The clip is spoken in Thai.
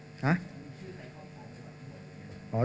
มีชื่อใครเข้าของด่วน